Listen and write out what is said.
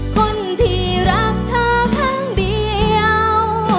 คนที่รักเธอครั้งเดียว